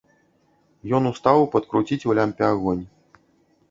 Ён устаў падкруціць у лямпе агонь.